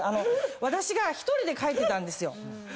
私が１人で帰ってたんですよ。